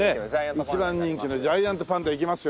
一番人気のジャイアントパンダ行きますよ。